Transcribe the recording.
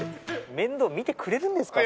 面倒見てくれるんですか？